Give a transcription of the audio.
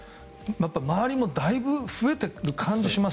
周りもだいぶ増えている感じがします。